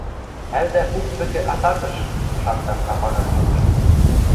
— Ӓлдӓ куп вӹкӹ атакыш! — шакта Стапанын юкшы.